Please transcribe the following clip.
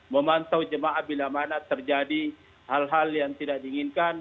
memantau jemaah bila mana terjadi hal hal yang tidak diinginkan